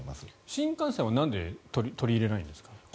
新幹線はなんで取り入れないんですか。